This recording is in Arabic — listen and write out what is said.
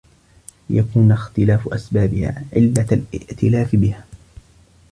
لِيَكُونَ اخْتِلَافُ أَسْبَابِهَا عِلَّةَ الِائْتِلَافِ بِهَا